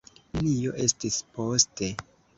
Nenio estis poste.